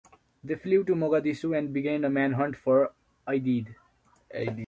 They flew to Mogadishu and began a manhunt for Aidid.